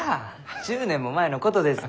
１０年も前のことですき。